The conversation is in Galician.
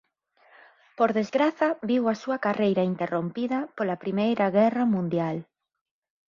Por desgraza viu a súa carreira interrompida pola Primeira Guerra Mundial.